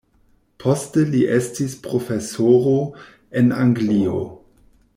Poste li estis profesoro en Anglio.